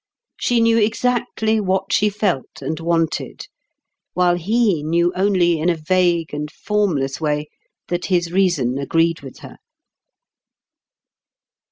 She knew exactly what she felt and wanted; while he knew only in a vague and formless way that his reason agreed with her.